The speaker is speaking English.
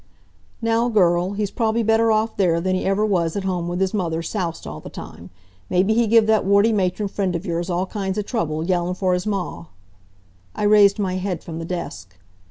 "Now girl, he's prob'ly better off there than he ever was at home with his mother soused all the time. Maybe he give that warty matron friend of yours all kinds of trouble, yellin' for his ma." I raised my head from the desk.